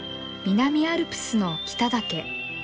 南アルプスの北岳。